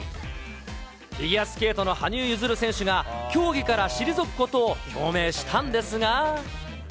フィギュアスケートの羽生結弦選手が競技から退くことを表明したんですが。